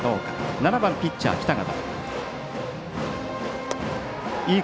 ７番、ピッチャーの北方。